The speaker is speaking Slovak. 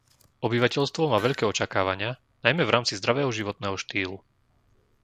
Obyvateľstvo má veľké očakávania, najmä v rámci zdravého životného štýlu.